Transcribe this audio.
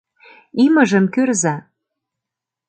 — Имыжым кӱрза!